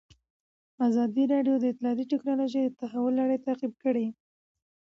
ازادي راډیو د اطلاعاتی تکنالوژي د تحول لړۍ تعقیب کړې.